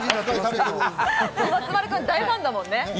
松丸君、大ファンだもんね。